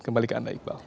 kembali ke anda iqbal